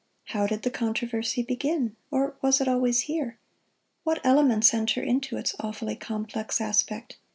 How did the controversy begin? or was it always here? What elements enter into its awfully complex aspect?